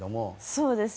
そうです。